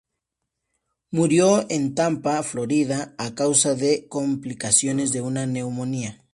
Murió en Tampa, Florida, a causa de complicaciones de una neumonía.